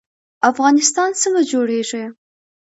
افغانستان څنګه جوړیږي؟